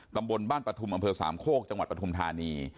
ตำบลบ้านปฐุมอำเภอสามโคกจังหวัดปฐุมธานี